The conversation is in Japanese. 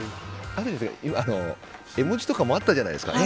絵文字とかもあったじゃないですか。